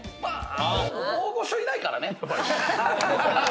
大御所いないからね。